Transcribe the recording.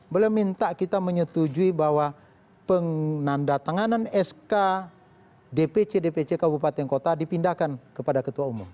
beliau minta kita menyetujui bahwa penanda tanganan sk dpc dpc kabupaten kota dipindahkan kepada ketua umum